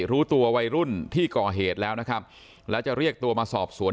รู้ตัววัยรุ่นที่ก่อเหตุแล้วนะครับแล้วจะเรียกตัวมาสอบสวน